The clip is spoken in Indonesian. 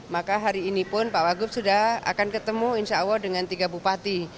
maka hari ini pun pak wagub sudah akan ketemu insya allah dengan tiga bupati